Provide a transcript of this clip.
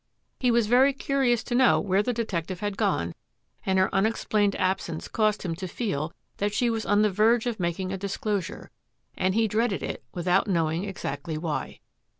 He was very curious to know where the detective had gone, and her unexplained absence caused him to feel that she was on the verge of making a disclosure, and he dreaded it without knowing exactly why.